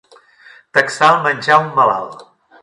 Taxar el menjar a un malalt.